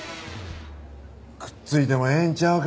くっついてもええんちゃうか？